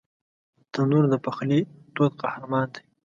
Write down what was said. تنور د پخلي تود قهرمان دی